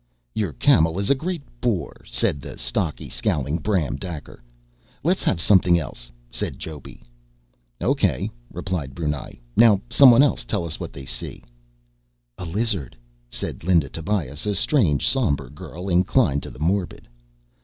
"Your camel is a great bore," said the stocky, scowling Bram Daker. "Let's have something else," said Joby. "Okay," replied Brunei, "now someone else tell what they see." "A lizard," said Linda Tobias, a strange, somber girl, inclined to the morbid.